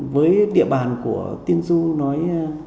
với địa bàn của tiên du nói